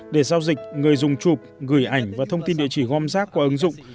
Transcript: để giao dịch người dùng chụp gửi ảnh và thông tin địa chỉ gom rác qua ứng dụng